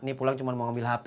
nih pulang cuma mau ambil hp